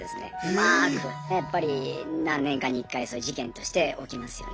やっぱり何年かに１回はそういう事件として起きますよね。